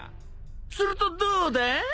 するとどうだ？